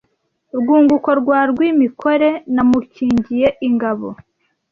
Rwunguko rwa Rwimikore Namukingiye ingabo